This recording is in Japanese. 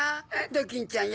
ドキンちゃん